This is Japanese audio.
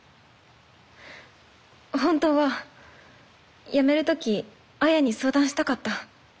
本当はやめる時杏耶に相談したかった。